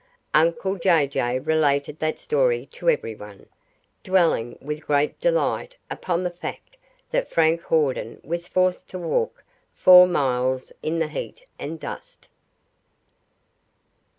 Uncle Jay Jay related that story to everyone, dwelling with great delight upon the fact that Frank Hawden was forced to walk four miles in the heat and dust.